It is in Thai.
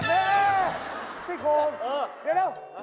เออพี่โค้งเดี๋ยว